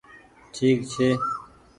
ٺيڪ ڇي۔